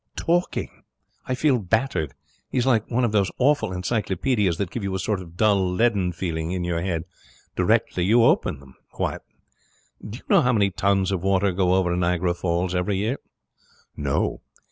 'Talking. I feel battered. He's like one of those awful encyclopedias that give you a sort of dull leaden feeling in your head directly you open them. Do you know how many tons of water go over Niagara Falls every year?' 'No.'